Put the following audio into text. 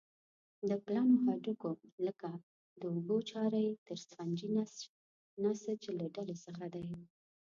د پلنو هډوکو لکه د اوږو چارۍ د سفنجي نسج له ډلې څخه دي.